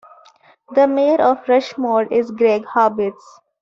The mayor of Rushmore is Gregg Harberts.